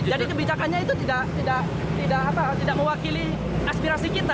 jadi kebijakannya itu tidak mewakili aspirasi kita